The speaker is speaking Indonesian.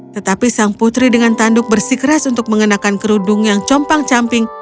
tetapi sang putri dengan tanduk bersikeras untuk mengenakan kerudung yang compang camping